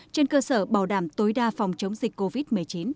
trên cơ sở bảo đảm tối đa phòng chống dịch covid một mươi chín